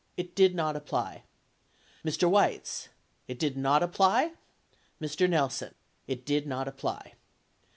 It did. not apply. Mr. Weitz. It did not apply ? Mr. Nelson. It did not apply